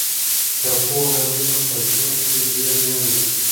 که پوهه وي نو په ژوند کې ویر نه وي.